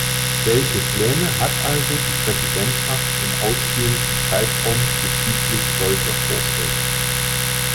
Welche Pläne hat also die Präsidentschaft im ausstehenden Zeitraum bezüglich solcher Vorschläge?